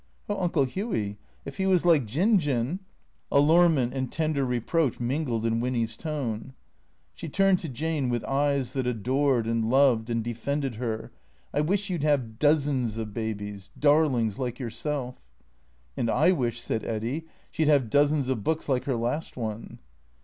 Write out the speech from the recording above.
" Oh, Uncle Hughy, if he was like Jin Jin !" Allurement and tender reproach mingled in Winny's tone. She turned to Jane with eyes that adored and loved and de fended her. " I wish you 'd have dozens of babies — darlings — like yourself." " And I wish," said Eddy, " she 'd have dozens of books like her last one."